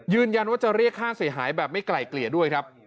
ยืนยันว่าจะเรียกค่าเสียหายแบบไม่ไกลเกลี่ยด้วยครับ